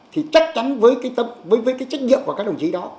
thì chắc chắn với cái trách nhiệm của các đồng chí đó